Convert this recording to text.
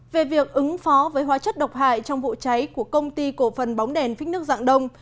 về việc ứng phó với hóa chất độc hại trong vụ cháy của công ty cổ phần bóng đèn phích nước dạng đông